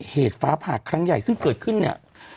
ฟ้าผ่าครั้งใหญ่ซึ่งเกิดขึ้นเนี่ย